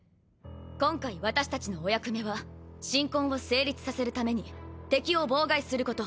今回私たちのお役目は神婚を成立させるために敵を妨害すること。